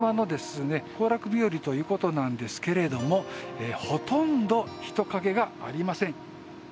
梅雨の合間の行楽日和ということなんですけれどもほとんど人影がありません。